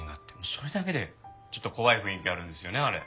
それだけでちょっと怖い雰囲気あるんですよねあれ。